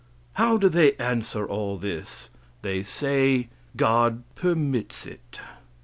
How do they answer all this? They say that God "permits it."